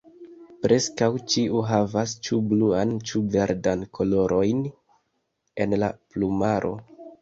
Preskaŭ ĉiu havas ĉu bluan ĉu verdan kolorojn en la plumaro.